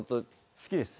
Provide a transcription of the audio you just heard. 好きです。